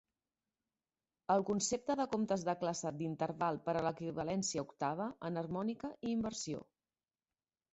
El concepte de comptes de classe d'interval per a l'equivalència octava, enharmònica i inversió.